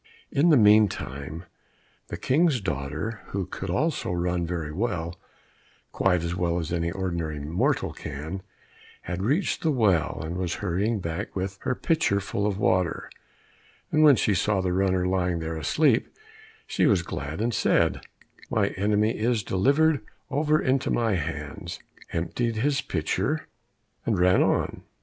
In the meantime the King's daughter, who could also run very well quite as well as any ordinary mortal can had reached the well, and was hurrying back with her pitcher full of water, and when she saw the runner lying there asleep, she was glad and said, "My enemy is delivered over into my hands," emptied his pitcher, and ran on.